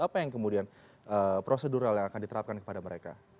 apa yang kemudian prosedural yang akan diterapkan kepada mereka